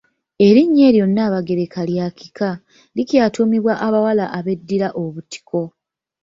Erinnya eryo Nnaabagereka lya kika, likyatuumibwa abawala abeddira Obutiko.